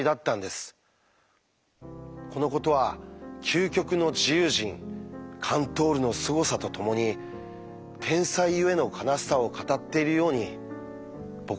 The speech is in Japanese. このことは究極の自由人カントールのすごさとともに天才ゆえの悲しさを語っているように僕には思えます。